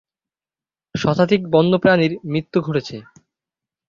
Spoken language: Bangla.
শতাধিক বন্যপ্রাণীর মৃত্যু ঘটেছে।